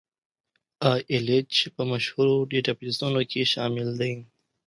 ای ایل ایچ په مشهورو ډیټابیسونو کې شامل دی.